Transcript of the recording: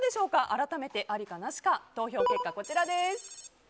改めてありかなしか投票結果、こちらです。